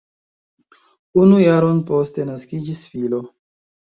Unu jaron poste naskiĝis filo.